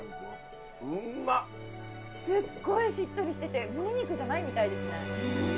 ・すっごいしっとりしてて胸肉じゃないみたいですね。